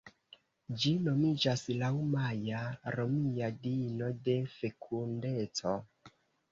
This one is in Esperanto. Ĝi nomiĝas laŭ Maja, romia diino de fekundeco.